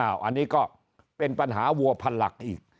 อันนี้ก็เป็นปัญหาวัวพันหลักอีก